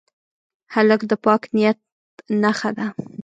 هلک د پاک نیت نښه ده.